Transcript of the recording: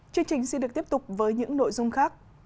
chương trình xin được tiếp tục với những nội dung khác